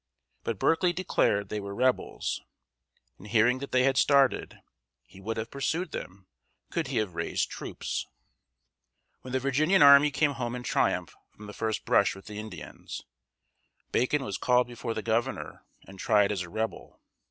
But Berkeley declared they were rebels, and hearing that they had started, he would have pursued them, could he have raised troops. [Illustration: Bacon's Rebellion.] When the Virginian army came home in triumph from the first brush with the Indians, Bacon was called before the governor and tried as a rebel.